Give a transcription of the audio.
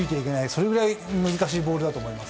それぐらい難しいボールだと思います。